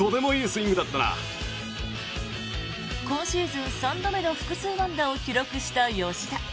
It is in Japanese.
今シーズン３度目の複数安打を記録した吉田。